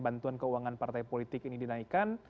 bantuan keuangan partai politik ini dinaikkan